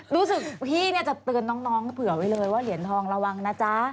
รู้สึกพี่เนี่ยจะเตือนน้องเผื่อไว้เลยว่าเหรียญทองระวังนะจ๊ะ